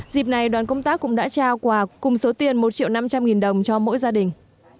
dịp này đoàn công tác cũng đã trao quà cùng số tiền một triệu năm trăm linh nghìn đồng cho mỗi gia đình